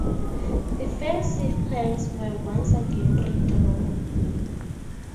Defensive plans were once again redrawn.